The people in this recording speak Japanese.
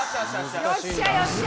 よっしゃよっしゃ。